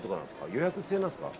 予約制なんですか？